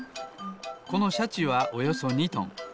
このシャチはおよそ２トン。